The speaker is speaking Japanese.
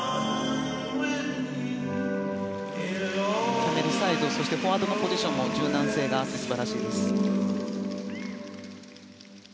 キャメルサイドフォワードのサイドも柔軟性があって素晴らしいです。